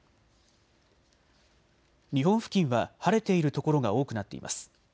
日本付近は晴れている所が多くなっています。